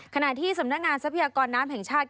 ขณะที่สำนักงานทรัพยากรน้ำแห่งชาติ